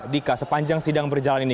dika sepanjang sidang berjalan ini